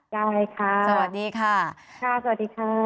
ได้ค่ะสวัสดีค่ะค่ะสวัสดีค่ะ